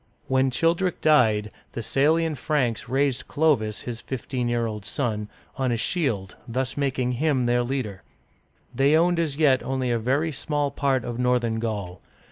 When Childeric died, the Salian Franks raised Clo'vis, his fifteen year old son, on a shield, thus making him their leader. They owned as yet only a very small part of northern Gaul.